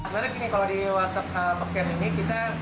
sebenarnya kalau di warteg pekerjaan ini